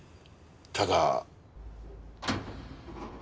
ただ。